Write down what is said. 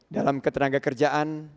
dalam ketenaga kerjaan